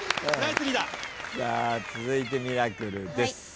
さあ続いてミラクルです。